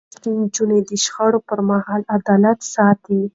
لوستې نجونې د شخړو پر مهال اعتدال ساتي.